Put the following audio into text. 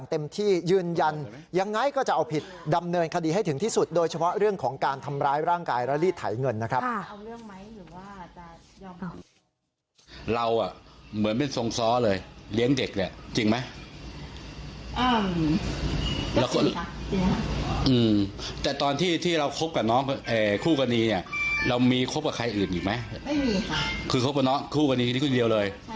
ตอนที่เราคบกับน้องคู่กันเนี้ยเขาเขาออกไปอยู่ข้างนอกแล้ว